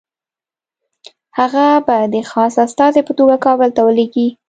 هغه به د خاص استازي په توګه کابل ته ولېږي.